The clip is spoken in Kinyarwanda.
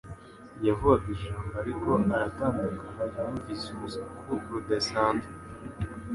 Yavugaga ijambo, ariko aratandukana yumvise urusaku rudasanzwe